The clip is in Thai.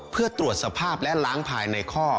เพื่อตรวจสภาพและล้างภายในข้อ